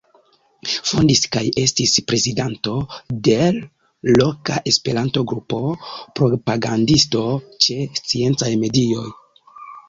Fondis kaj estis prezidanto de l' loka Esperanto-grupo; propagandisto ĉe sciencaj medioj.